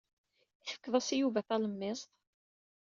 I tefked-as i Yuba talemmiẓt?